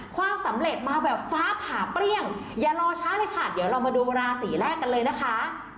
ความสำเร็จมาแบบฟ้าผ่าเปรี้ยงอย่ารอช้าเลยค่ะเดี๋ยวเรามาดูราศีแรกกันเลยนะคะ